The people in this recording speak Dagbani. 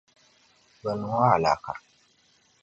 Bɛ niŋ o alaka.